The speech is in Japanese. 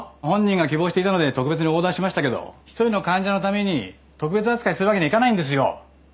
本人が希望していたので特別にオーダーしましたけど一人の患者のために特別扱いするわけにはいかないんですよ。